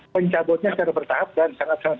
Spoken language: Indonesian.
pencabutnya secara bertahap dan sangat sangat